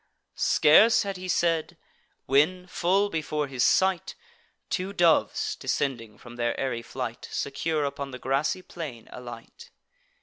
Scarce had he said, when, full before his sight, Two doves, descending from their airy flight, Secure upon the grassy plain alight.